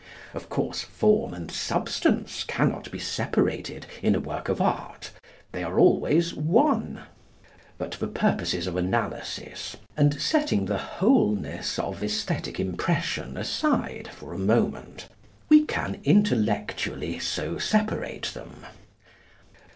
Of course, form and substance cannot be separated in a work of art; they are always one. But for purposes of analysis, and setting the wholeness of æsthetic impression aside for a moment, we can intellectually so separate them.